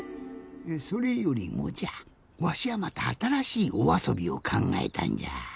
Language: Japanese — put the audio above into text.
それよりもじゃわしはまたあたらしいおあそびをかんがえたんじゃ。